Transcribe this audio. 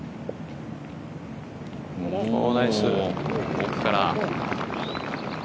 奥から。